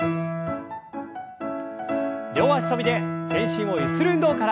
両脚跳びで全身をゆする運動から。